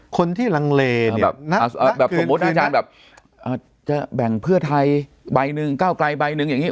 คนที่ลังเลแบบสมมุติอาจารย์แบบจะแบ่งเพื่อไทยใบหนึ่งก้าวไกลใบหนึ่งอย่างนี้